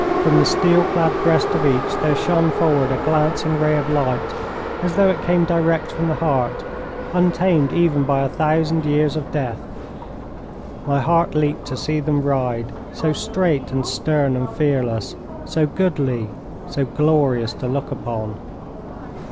From the steel clad breast of each there shone forward a glancing ray of light, as though it came direct from the heart, untamed even by a thousand years of death. My heart leaped to see them ride, so straight and stern and fearless, so goodly, so glorious to look upon.